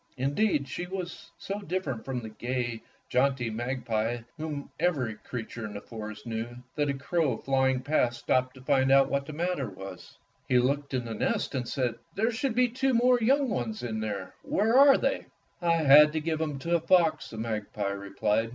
Indeed, she was so different from the gay, jaunty mag pie, whom every creature in the forest knew, that a crow flying past stopped to find out what the matter was. He looked into the 130 Fairy Tale Foxes nest and said/' There should be two more young ones in there. Where are they.^" ''I had to give them to a fox," the magpie replied.